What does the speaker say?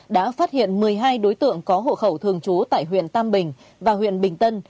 đã phát hiện một mươi hai đối tượng có hộ khẩu thường trú tại huyện tam bình và huyện bình tân